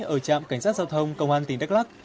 ở trạm cảnh sát giao thông công an tỉnh đắk lắc